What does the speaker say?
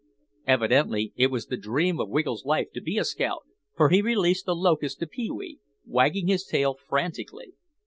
Evidently it was the dream of Wiggle's life to be a scout for he released the locust to Pee wee, wagging his tail frantically.